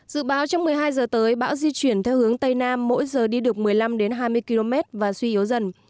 dự báo trong một mươi hai giờ tới bão di chuyển theo hướng tây nam mỗi giờ đi được một mươi năm hai mươi km và suy yếu dần